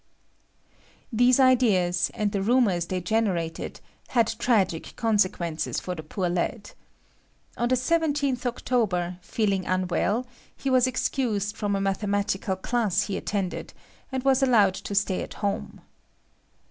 These ideas, and the rumours they generated, had tragic consequences for the poor lad. On the 17th October, feeling unwell, he was excused from a mathematical class he attended, and was allowed to stay at home.